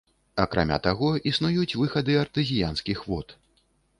Акрамя таго, існуюць выхады артэзіянскіх вод.